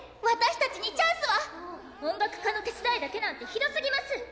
私たちにチャンスは⁉音楽科の手伝いだけなんてひどすぎます！